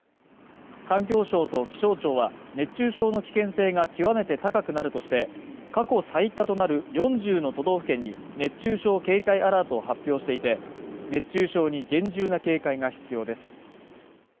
環境省と気象庁は熱中症の危険性が極めて高くなるとして過去最多となる４０の都道府県に熱中症警戒アラートを発表していて熱中症に厳重な警戒が必要です